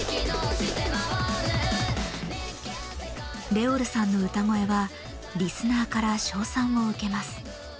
Ｒｅｏｌさんの歌声はリスナーから称賛を受けます。